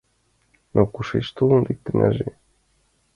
Но кушеч толын лектынже?